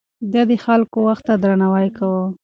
ده د خلکو وخت ته درناوی کاوه.